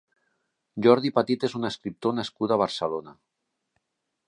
Jordi Petit és un escriptor nascut a Barcelona.